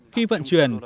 khi vận chuyển